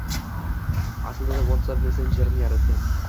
Aslida «Whatsapp» messenjerini yaratgan